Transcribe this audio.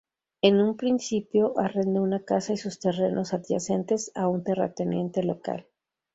En un principio, arrendó una casa y sus terrenos adyacentes a un terrateniente local.